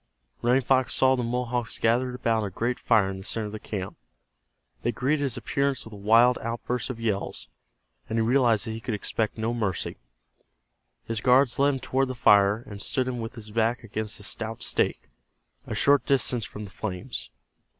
Running Fox saw the Mohawks gathered about a great fire in the center of the camp. They greeted his appearance with a wild outburst of yells, and he realized that he could expect no mercy. His guards led him toward the fire, and stood him with his back against a stout stake, a short distance from the flames.